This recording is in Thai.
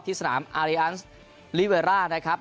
ที่สนามอาร์เลียนซ์ลิเวร่านะครับ